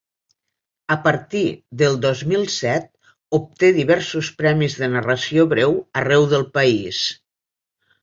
A partir del dos mil set obté diversos premis de narració breu arreu del país.